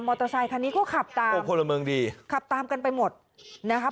เตอร์ไซคันนี้ก็ขับตามโอ้พลเมืองดีขับตามกันไปหมดนะคะ